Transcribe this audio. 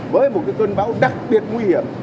với một cơn bão đặc biệt nguy hiểm